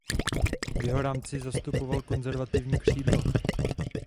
V jeho rámci zastupoval konzervativní křídlo.